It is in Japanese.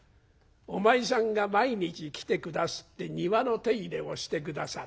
「お前さんが毎日来て下すって庭の手入れをして下さる。